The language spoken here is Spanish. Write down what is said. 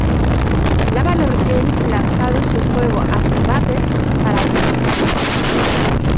Lava Lord Games lanzado su juego "Astro Battle" para Linux.